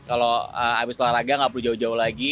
kalau habis olahraga nggak perlu jauh jauh lagi